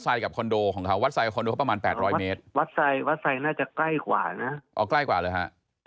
ห่างกันประมาณหนึ่งร้อยเมตร